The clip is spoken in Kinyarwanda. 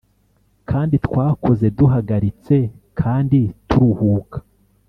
kandi twakoze duhagaritse kandi turuhuka;